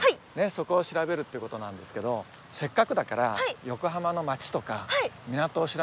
そこを調べるってことなんですけどせっかくだから横浜の街とか港を調べてみましょう。